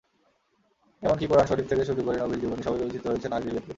এমনকি কোরআন শরিফ থেকে শুরু করে নবীর জীবনী—সবই রচিত হয়েছে নাগরি লিপিতে।